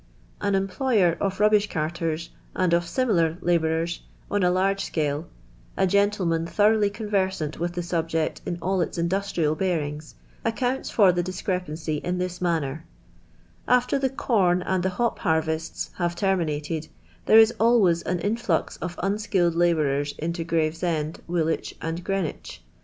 An employer of rubbish carters, and of simihir labourers, on a large scale, a gentleman thoroughly conversant with the subject in all its industrial bearings, accounts for the discrepancy in this manner: — After the com and the hop harvests have termi nated, there is always an influx of unskilled labourers into Gravesend, Woolwich, and Green wich.